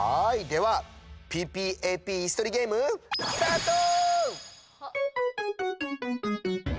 ではＰＰＡＰイスとりゲームスタート！